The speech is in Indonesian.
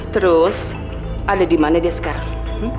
terus ada dimana dia sekarang